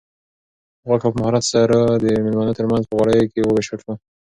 غوښه په مهارت سره د مېلمنو تر منځ په غوریو کې وویشل شوه.